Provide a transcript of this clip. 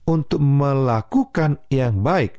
untuk melakukan yang baik